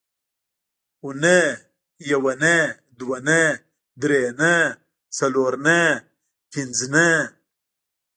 اونۍ یونۍ دونۍ درېنۍ څلورنۍ پینځنۍ